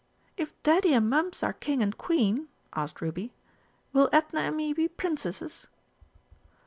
"If Daddy and Mums are King and Queen," asked Ruby, "will Edna and me be Princesses?"